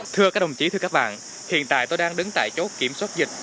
thưa các đồng chí thưa các bạn hiện tại tôi đang đứng tại chốt kiểm soát dịch